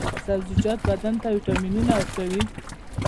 سبزیجات بدن ته ویټامینونه ورکوي.